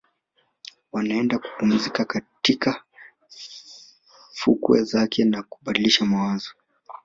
Wanaenda kupumzika katika fukwe zake na kubadilishana mawazo